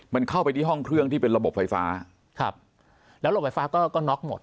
มันเข้าไปที่ห้องเครื่องที่เป็นระบบไฟฟ้าครับแล้วโรงไฟฟ้าก็ก็น็อกหมด